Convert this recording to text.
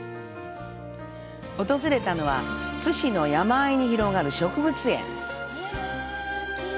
訪れたのは、津市の山あいに広がる植物園。